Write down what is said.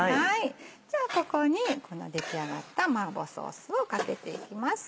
じゃあここにこの出来上がった麻婆ソースをかけていきます。